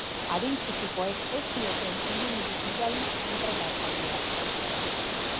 Edozein kasutan, adin txikikoek ez zioten irudirik bidali entrenatzaileari.